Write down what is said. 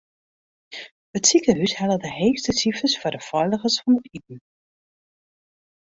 It sikehús helle de heechste sifers foar de feiligens fan iten.